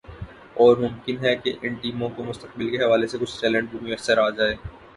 اور ممکن ہے کہ ان ٹیموں کو مستقبل کے حوالے سے کچھ ٹیلنٹ بھی میسر آجائے